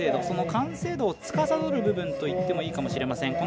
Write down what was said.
その完成度をつかさどる部分といってもいいかもしれません。